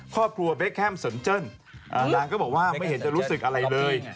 ครอบครัวเบคแฮมสนเจิ้นนางก็บอกว่าไม่เห็นจะรู้สึกอะไรเลย